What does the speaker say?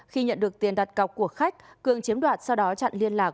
khi nhận được tiền đặt cọc của khách cường chiếm đoạt sau đó chặn liên lạc